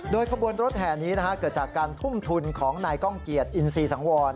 ขบวนรถแห่นี้เกิดจากการทุ่มทุนของนายก้องเกียจอินซีสังวร